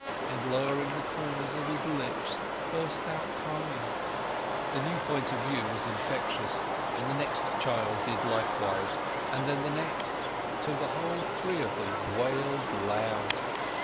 and, lowering the corners of his lips, burst out crying. The new point of view was infectious, and the next child did likewise, and then the next, till the whole three of them wailed loud.